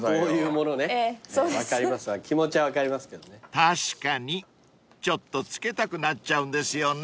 ［確かにちょっと付けたくなっちゃうんですよね］